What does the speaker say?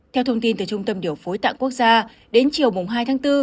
theo thông tin từ trung tâm điều phối tạng quốc gia đến chiều hai tháng bốn